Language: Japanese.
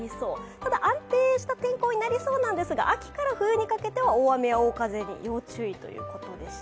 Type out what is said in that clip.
ただ、安定した天候になりそうなんですが、秋から冬にかけては大雨や大風に要注意ということでした。